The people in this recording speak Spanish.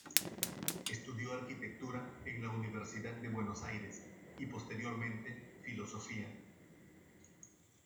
Estudió arquitectura en la Universidad de Buenos Aires y posteriormente filosofía.